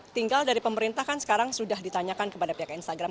tinggal dari pemerintah kan sekarang sudah ditanyakan kepada pihak instagram